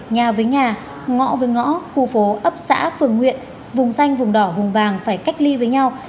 nhà với nhà ngõ với ngõ khu phố ấp xã phường huyện vùng xanh vùng đỏ vùng vàng phải cách ly với nhau